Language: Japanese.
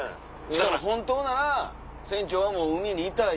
しかも本当なら船長はもう海にいたい。